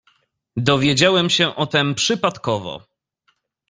"Dowiedziałem się o tem przypadkowo."